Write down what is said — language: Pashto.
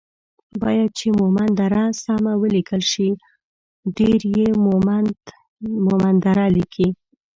بايد چې مومند دره سمه وليکل شي ،ډير يي مومندره ليکي